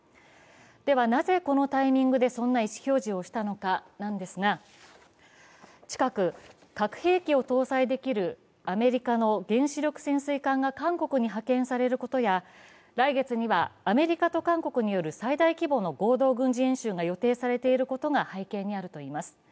ではなぜこのタイミングでそんな意思表示をしたのかなんですが近く、核兵器を搭載できるアメリカの原子力潜水艦が韓国に派遣されることや、来月にはアメリカと韓国による最大規模の合同軍事演習が予定されていることが背景にあるといいます。